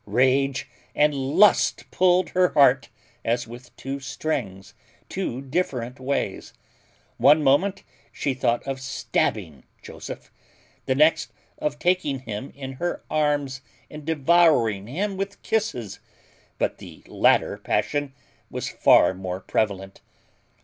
Rage and lust pulled her heart, as with two strings, two different ways; one moment she thought of stabbing Joseph; the next, of taking him in her arms, and devouring him with kisses; but the latter passion was far more prevalent.